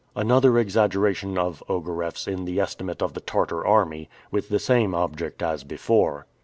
Another exaggeration of Ogareff's in the estimate of the Tartar army, with the same object as before.